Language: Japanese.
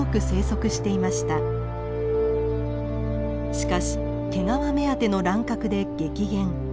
しかし毛皮目当ての乱獲で激減。